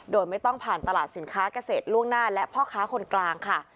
โดยไม่ต้องผ่านตลาดสินค้าเกษตรล่วงหน้าและพ่อค้าคนกลางค่ะ